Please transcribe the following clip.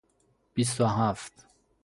بیست و هفت